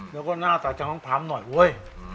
แล้วก็หน้าตาจังต้องพร้อมหน่อยเว้ย